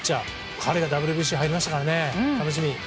彼がＷＢＣに入りましたからね楽しみ。